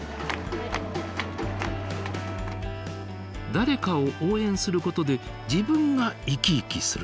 誰かを応援することで自分がイキイキする。